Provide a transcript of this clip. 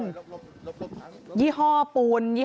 ยี่ห้อปูนยี่ห้อ๑มีนนะคะที่ใส่ในวันก่อเหตุ